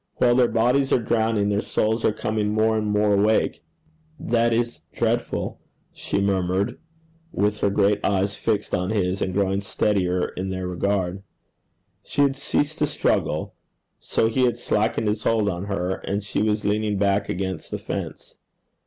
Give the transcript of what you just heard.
While their bodies are drowning, their souls are coming more and more awake.' 'That is dreadful,' she murmured, with her great eyes fixed on his, and growing steadier in their regard. She had ceased to struggle, so he had slackened his hold of her, and she was leaning back against the fence.